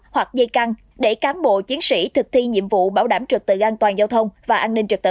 hoặc dây căng để cán bộ chiến sĩ thực thi nhiệm vụ bảo đảm trực tự an toàn giao thông và an ninh trực tự